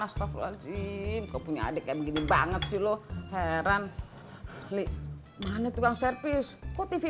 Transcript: astagfirullahaladzim kau punya adiknya begini banget sih lu heran mana tukang servis kok tv